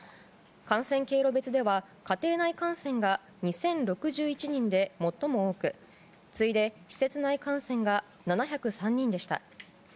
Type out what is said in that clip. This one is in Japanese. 感染経路別では、家庭内感染が２０６１人で最も多く次いで施設内感染が７０３人でした。